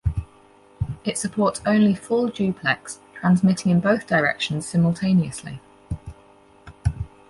It supports only full-duplex, transmitting in both directions simultaneously.